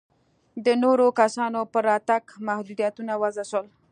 د نورو کسانو پر راتګ محدودیتونه وضع شول.